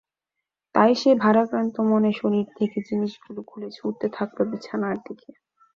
তাই সে ভারাক্রান্ত মনে শরীর থেকে জিনিস গুলো খুলে ছুড়তে থাকলো বিছানার দিকে।